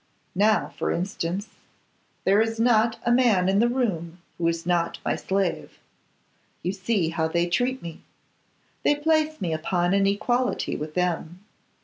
Now, for instance, there is not a man in the room who is not my slave. You see how they treat me. They place me upon an equality with them.